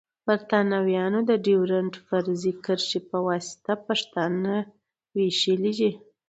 بريتانويانو د ډيورنډ فرضي کرښي پواسطه پښتانه ويشلی دی.